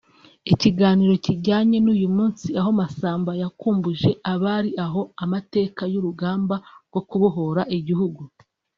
Ikiganiro kijyanye n’uyu munsi aho Massamba yakumbuje abari aho amateka y’urugamba rwo kubohora igihugu